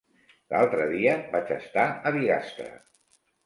L'altre dia vaig estar a Bigastre.